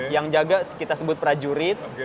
yang jaga kita sebut prajurit